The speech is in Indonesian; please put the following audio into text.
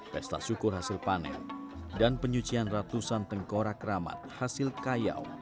pesta syukur hasil panen dan penyucian ratusan tengkorak keramat hasil kayau